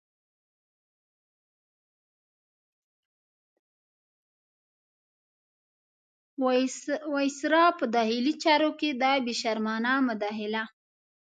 وایسرا په داخلي چارو کې دا بې شرمانه مداخله.